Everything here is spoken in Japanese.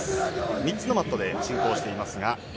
３つのマットで進行しています。